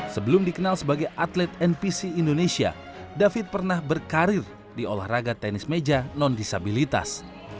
sebelum dikenal sebagai atlet npc indonesia david pernah berkarir di olahraga tenis meja non disabilitas